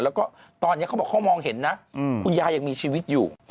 แล้วก็ตอนนี้เขาบอกเขามองเห็นนะคุณยายยังมีชีวิตอยู่